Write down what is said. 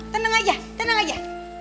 tenang aja tenang aja